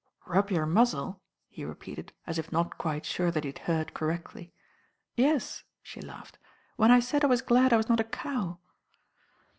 "Rub your muzzle!" he repeated, as if not quite sure that he had heurd correctly. , "Yes," she laughed. "When I said I was glad I was not a cow."